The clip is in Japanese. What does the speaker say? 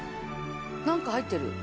なんか入ってる。